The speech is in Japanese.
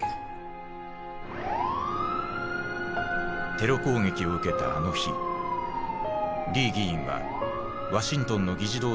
テロ攻撃を受けたあの日リー議員はワシントンの議事堂で会議をしていた。